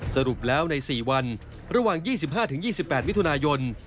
สรุปแล้วใน๔วันระหว่าง๒๕๒๘มิถุนายน